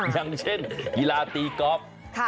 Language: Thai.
อย่างเช่นกีฬาตีก๊อบ